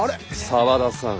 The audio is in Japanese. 沢田さん